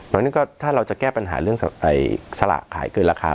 ตอนนี้ก็ถ้าเราจะแก้ปัญหาเรื่องสละขายเกิดราคา